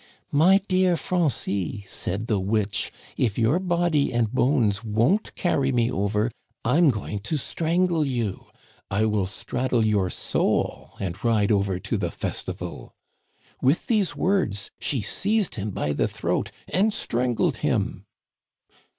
"*My dear Francis,' said the witch, *if your body and bones won't carry me over, I'm going to strangle you. I will straddle your soul and ride over to the fes tival.' With these words, she seized him by the throat and strangled him."